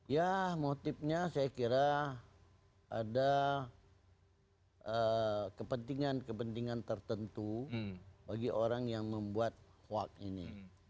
ya motifnya saya kira ada kepentingan kepentingan tertentu bagi orang yang membuat hoax ini